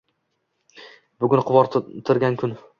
Bugun quvontiradigan kun